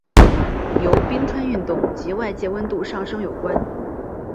由冰川运动及外界温度上升有关。